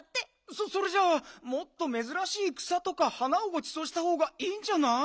そっそれじゃあもっとめずらしい草とか花をごちそうしたほうがいいんじゃない？